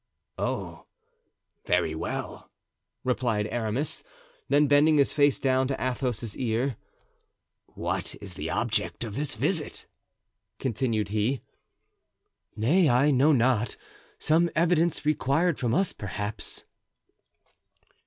"Oh, very well," replied Aramis; then bending his face down to Athos's ear, "what is the object of this visit?" continued he. "Nay, I know not; some evidence required from us, perhaps."